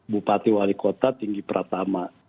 bupati wali kota tinggi pratama